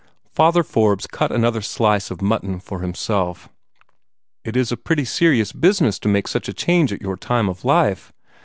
Father Forbes cut another slice of mutton for himself. "It is a pretty serious business to make such a change at your time of life.